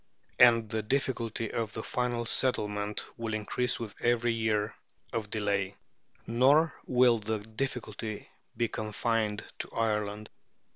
And the difficulty of the final settlement will increase with every year of delay. Nor will the difficulty be confined to Ireland.